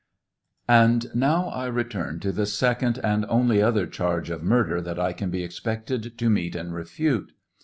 And now I return to the second and only other charge of murder that I can be expected to meet and refute.